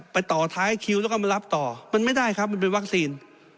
ต่อท้ายคิวแล้วก็มารับต่อมันไม่ได้ครับมันเป็นวัคซีน